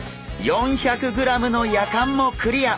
４００ｇのやかんもクリア！